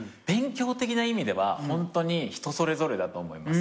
勉強的な意味ではホントに人それぞれだと思います。